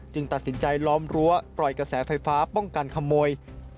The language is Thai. ตัดสินใจล้อมรั้วปล่อยกระแสไฟฟ้าป้องกันขโมย